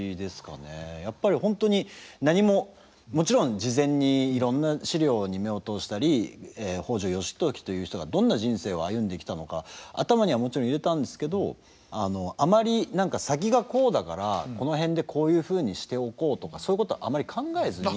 やっぱり本当に何ももちろん事前にいろんな資料に目を通したり北条義時という人がどんな人生を歩んできたのか頭にはもちろん入れたんですけどあのあまり「先がこうだからこの辺でこういうふうにしておこう」とかそういうことあまり考えずに。